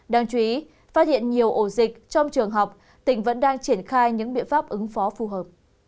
đáng chú ý phát hiện nhiều ổ dịch trong trường học tỉnh vẫn đang triển khai những biện pháp ứng phó phù hợp